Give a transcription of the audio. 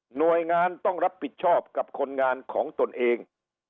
หน่วยงานต้องรับผิดชอบกับคนงานของตนเอง